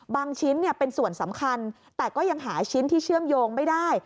ชิ้นเป็นส่วนสำคัญแต่ก็ยังหาชิ้นที่เชื่อมโยงไม่ได้